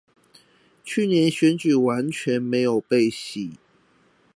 去年選舉完全沒有被洗